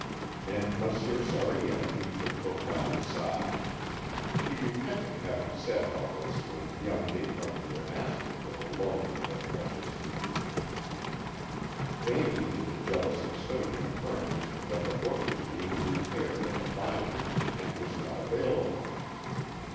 And Monsieur Sariette heaved a profound sigh. He repented having said all this when young d'Esparvieu asked him for the loan of the precious Lucretius. Vainly did the jealous custodian affirm that the book was being repaired at the binder's and was not available.